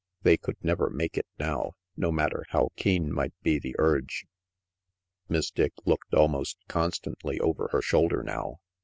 They could never make it now, no matter how keen might be the urge. Miss Dick looked almost constantly over her shoulder now!